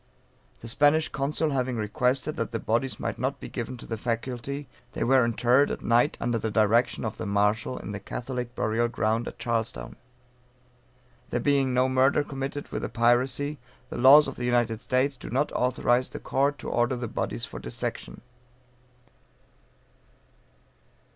The Spanish Consul having requested that the bodies might not be given to the faculty, they were interred at night under the direction of the Marshal, in the Catholic burial ground at Charlestown. There being no murder committed with the piracy, the laws of the United States do not authorize the court to order the bodies for dissection.